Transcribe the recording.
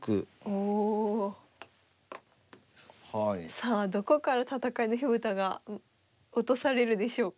さあどこから戦いの火蓋が落とされるでしょうか。